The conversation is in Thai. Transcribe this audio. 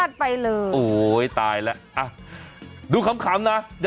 โอ้โหโอ้โหโอ้โหโอ้โหโอ้โหโอ้โหโอ้โหโอ้โหโอ้โหโอ้โหโอ้โหโอ้โห